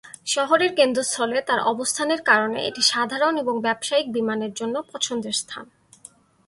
শহরের কেন্দ্রস্থলে তার অবস্থানের কারণে এটি সাধারণ এবং ব্যবসায়িক বিমানের জন্য পছন্দের স্থান।